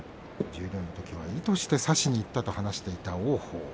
十両のときは意図して差していったと話していた王鵬